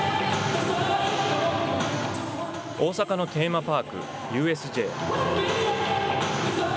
大阪のテーマパーク、ＵＳＪ。